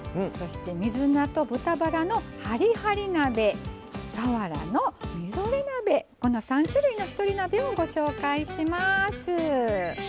そして水菜と豚バラのはりはり鍋さわらのみぞれ鍋、この３種類の一人鍋をご紹介します。